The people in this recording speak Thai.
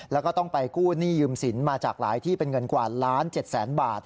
แล้วก็ต้องไปกู้หนี้ยืมสินมาจากหลายที่เป็นเงินกว่าล้าน๗แสนบาท